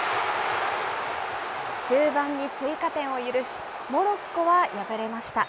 終盤に追加点を許し、モロッコは敗れました。